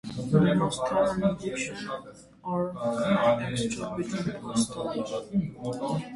The most common additions are an extra bedroom or study.